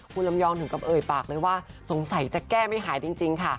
คุณลำยองถึงกับเอ่ยปากเลยว่าสงสัยจะแก้ไม่หายจริงค่ะ